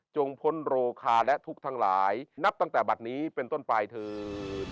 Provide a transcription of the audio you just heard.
พ้นโรคาและทุกข์ทั้งหลายนับตั้งแต่บัตรนี้เป็นต้นปลายเถิด